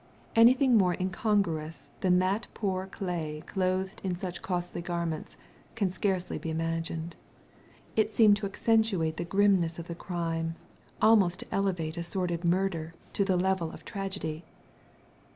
Anything more incongruous than that poor clay clothed in such costly garments can scarcely be imagined. It seemed to accentuate the grimness of the crime, almost to elevate a sordid murder to the level of tragedy.